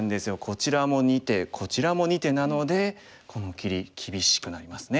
こちらも２手こちらも２手なのでこの切り厳しくなりますね。